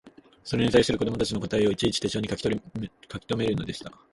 それに対する子供たちの答えをいちいち手帖に書きとめるのでした